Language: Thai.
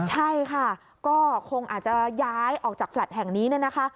ใช่ค่ะก็คงอาจจะย้ายออกจากแผ่นแห่งนี้นะคะ